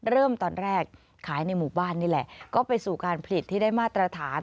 เริ่มตอนแรกขายในหมู่บ้านนี่แหละก็ไปสู่การผลิตที่ได้มาตรฐาน